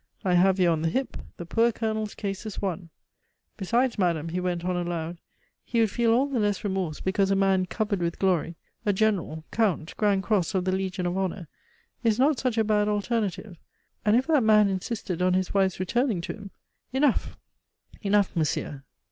"I have you on the hip; the poor Colonel's case is won." "Besides, madame," he went on aloud, "he would feel all the less remorse because a man covered with glory a General, Count, Grand Cross of the Legion of Honor is not such a bad alternative; and if that man insisted on his wife's returning to him " "Enough, enough, monsieur!"